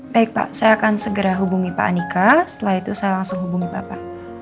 baik pak saya akan segera hubungi pak andika setelah itu saya langsung hubungi bapak